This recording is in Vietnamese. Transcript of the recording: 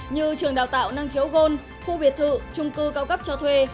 như trường đào tạo năng khiếu gôn khu biệt thự trung cư cao cấp cho thuê